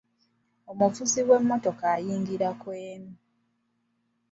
Omuvuzi w'emmotoka ayigira ku emu.